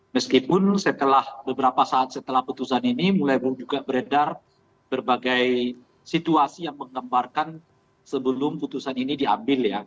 meskipun setelah beberapa saat setelah putusan ini mulai juga beredar berbagai situasi yang mengembarkan sebelum putusan ini diambil ya